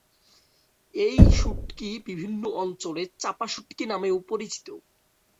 এই শুঁটকি বিভিন্ন অঞ্চলে "চাপা শুঁটকি" নামেও পরিচিত।